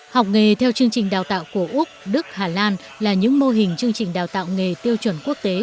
học nghề theo chương trình đào tạo của úc đức hà lan là những mô hình chương trình đào tạo nghề tiêu chuẩn quốc tế